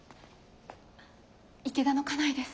池田の家内です。